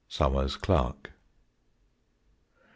SOMERS CLARKE.